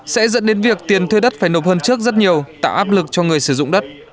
sẽ dẫn đến việc tiền thuê đất phải nộp hơn trước rất nhiều tạo áp lực cho người sử dụng đất